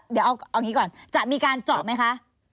เดี๋ยวเอางี้ก่อนจะมีการเจาะไหมคะ